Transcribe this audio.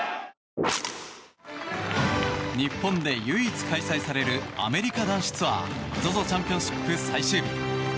日本で唯一開催されるアメリカ男子ツアーＺＯＺＯチャンピオンシップ最終日。